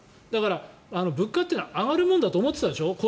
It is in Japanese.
だから、物価というのは上がるものだと思ってたでしょ